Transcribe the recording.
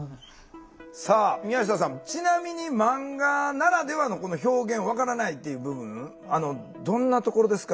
さあ宮下さんちなみにマンガならではのこの表現分からないっていう部分どんなところですか？